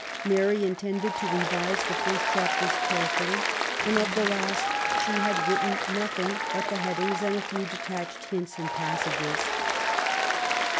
Mary intended to revise the first chapters carefully, and of the last she had written nothing but the head ings and a few detached hints and passages.